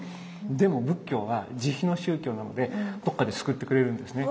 でも仏教は慈悲の宗教なのでどっかで救ってくれるんですね。